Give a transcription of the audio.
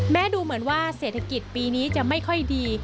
ดูเหมือนว่าเศรษฐกิจปีนี้จะไม่ค่อยดี